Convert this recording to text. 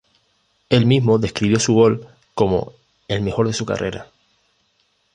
Él mismo describió su gol como "el mejor de su carrera".